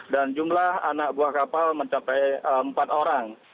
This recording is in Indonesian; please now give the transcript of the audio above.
dan jumlah anak buah kapal mencapai empat orang